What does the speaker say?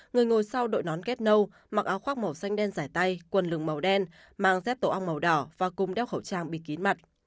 người ngồi sau đội nón ghép nâu mặc áo khoác màu xanh đen giải tay quần lừng màu đen mang dép tổ ong màu đỏ và cùng đeo khẩu trang bịt kín mặt